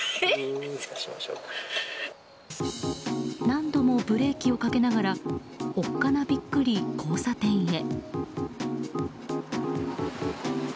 何度もブレーキをかけながらおっかなびっくり交差点へ。